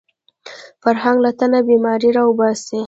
فرهنګ له تنه بیماري راوباسي